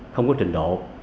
không có trình độ